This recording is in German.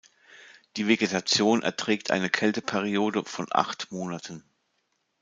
Die Vegetation erträgt eine Kälteperiode von acht Monaten.